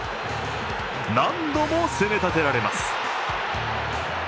何度も攻め立てられます。